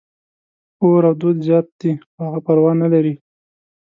اور او دود زیات دي، خو هغه پروا نه لري.